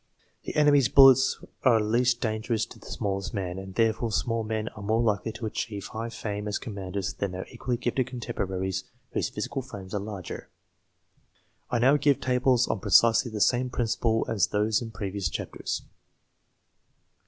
The enemy's bullets are least dangerous to the smallest men, and therefore small men are more likely to achieve high fame as commanders than their equally gifted contemporaries whose physical frames are larger. I now give tables on precisely the same principle as those in previous chapters.